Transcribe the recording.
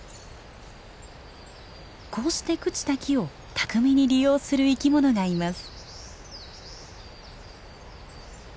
こうして朽ちた木を巧みに利用する生き物がいます。